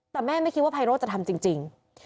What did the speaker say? แต่แม่ไม่คิดว่าไพโรธจะทำจริง